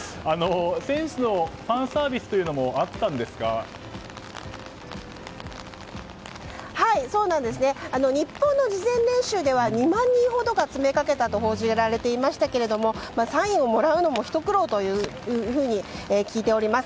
選手のファンサービスというのも日本の事前練習では２万人ほどが詰めかけたと報じられていましたがサインをもらうのもひと苦労と聞いております。